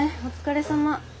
お疲れさま。